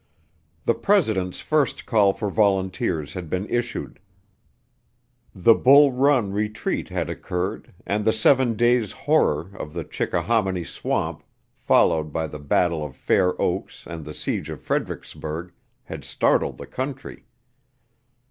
The President's first call for volunteers had been issued; the Bull Run retreat had occurred, and the seven days' horror of the Chickahominy swamp, followed by the battle of Fair Oaks and the siege of Fredericksburg, had startled the country.